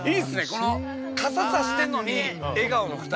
この、傘差してんのに笑顔の２人。